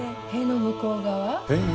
塀の向こう側。